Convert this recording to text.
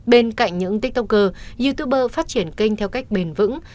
bên cạnh những tiktoker youtuber phát triển kênh theo cách bền vững